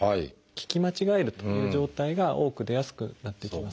聞き間違えるという状態が多く出やすくなっていきますね。